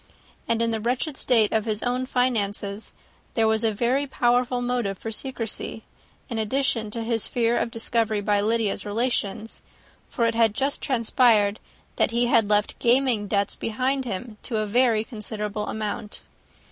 And in the wretched state of his own finances, there was a very powerful motive for secrecy, in addition to his fear of discovery by Lydia's relations; for it had just transpired that he had left gaming debts behind him to a very considerable amount.